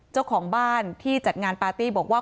เจ้าของบ้านที่จัดงานปาร์ตี้บอกว่า